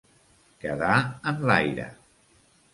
Quedar en l'aire.